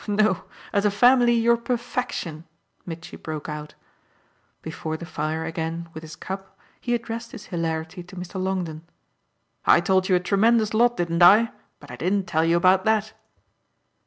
"No as a family, you're perfection!" Mitchy broke out. Before the fire again, with his cup, he addressed his hilarity to Mr. Longdon. "I told you a tremendous lot, didn't I? But I didn't tell you about that."